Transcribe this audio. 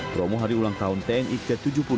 promo hari ulang tahun tni ke tujuh puluh dua